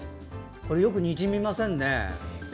よくにじみませんね。